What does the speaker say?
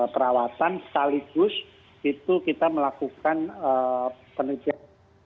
perawatan sekaligus itu kita melakukan penelitian